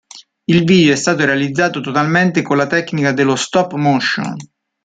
Il video è stato realizzato totalmente con la tecnica dello stop-motion.